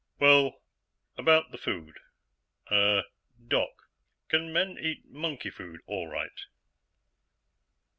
"Well, about the food. Uh ... Doc, can men eat monkey food all right?"